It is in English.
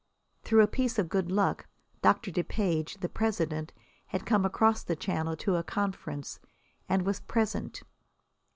Through a piece of good luck Doctor Depage, the president, had come across the Channel to a conference, and was present.